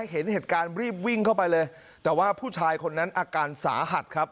เห็นเหตุการณ์รีบวิ่งเข้าไปเลยแต่ว่าผู้ชายคนนั้นอาการสาหัสครับ